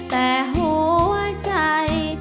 แต่หัวใจ